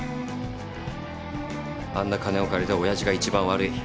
あんな金を借りたおやじが一番悪い。